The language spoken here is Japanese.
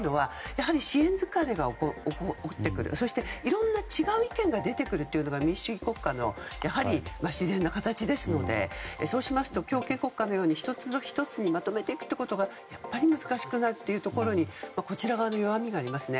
支援疲れが起きてくることといろんな違う意見が出てくるというのが民主主義国家の自然な形ですのでそうしますと強権国家のように１つにまとめていくことが難しくなることにこちら側の弱みがありますね。